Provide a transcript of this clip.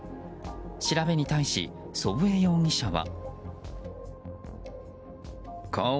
調べに対し、祖父江容疑者は。